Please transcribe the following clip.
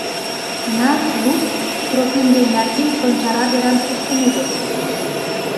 На луд: Тропим ден Яким Шончара деран пуштын улыт...